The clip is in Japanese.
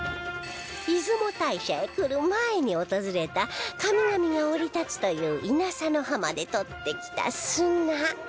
出雲大社へ来る前に訪れた神々が降り立つという稲佐の浜で取ってきた砂